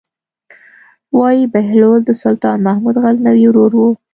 وايي بهلول د سلطان محمود غزنوي ورور و.